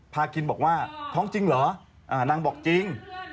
พากินบอกว่าท้องจริงเหรอนางบอกจริง